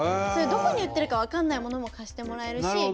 そういうどこに売ってるか分かんないものも貸してもらえるし。